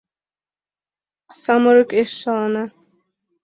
Самырык еш шалана.